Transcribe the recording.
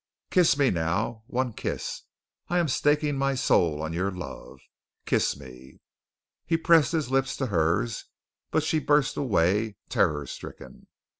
Kiss me now, one kiss. I am staking my soul on your love. Kiss me!" He pressed his lips to hers, but she burst away, terror stricken.